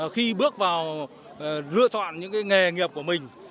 khi bước vào lựa chọn những nghề nghiệp của mình